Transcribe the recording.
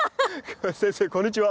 先生こんにちは。